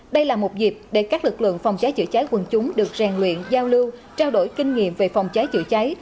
đây là một dịp để các lực lượng phòng cháy chữa cháy quận chúng được rèn luyện giao lưu trao đổi kinh nghiệm về phòng cháy chữa cháy